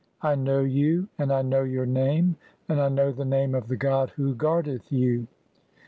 I know (22) you, and I know your "name, and I know the name of the god who guardeth you.